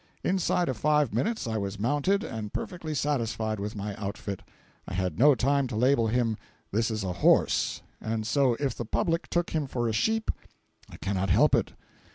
Inside of five minutes I was mounted, and perfectly satisfied with my outfit. I had no time to label him "This is a horse," and so if the public took him for a sheep I cannot help it.